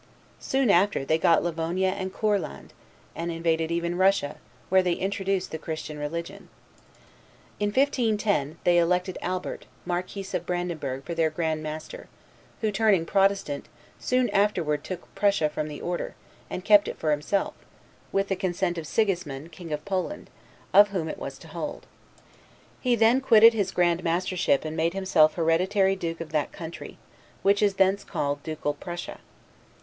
Soon after, they got Livonia and Courland, and invaded even Russia, where they introduced the Christian religion. In 1510, they elected Albert, Marquis of Bradenburg, for their grand master, who, turning Protestant, soon afterward took Prussia from the order, and kept it for himself, with the consent of Sigismund, King of Poland, of whom it was to hold. He then quitted his grand mastership and made himself hereditary Duke of that country, which is thence called Ducal Prussia.